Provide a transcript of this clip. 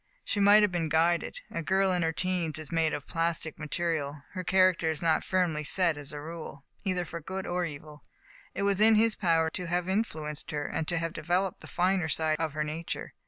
She might have been guided. A girl in her teens is made of plastic material. Her character is not firmly set as a rule, either for good or evil. It was in his power to have in fluenced her, and to have developed the finer side of her nature.